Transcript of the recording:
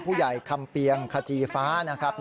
ผู้ใหญ่คำเพียงคาจีฟ้านะครับ